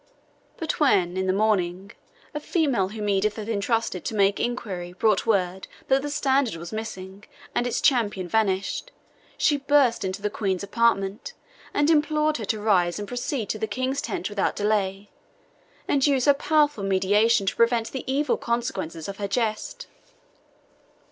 But when, in the morning, a female whom Edith had entrusted to make inquiry brought word that the Standard was missing, and its champion vanished, she burst into the Queen's apartment, and implored her to rise and proceed to the King's tent without delay, and use her powerful mediation to prevent the evil consequences of her jest.